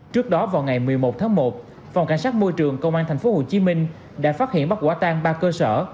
trước đó vào ngày một mươi một tháng một phòng cảnh sát môi trường công an tp hcm đã phát hiện bắt quả tang ba cơ sở